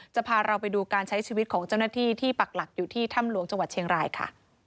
จะพาเราไปดูการใช้ชีวิตของเจ้าหน้าที่ที่ปักหลักอยู่ที่ถ้ำหลวงจังหวัดเชียงรายค่ะ